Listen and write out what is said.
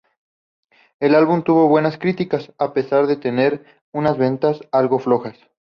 El álbum tuvo buenas críticas, a pesar de tener unas ventas algo flojas.